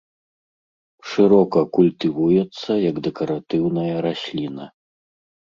Шырока культывуецца як дэкаратыўная расліна.